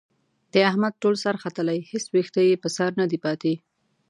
د احمد ټول سر ختلی، هېڅ وېښته یې په سر ندی پاتې.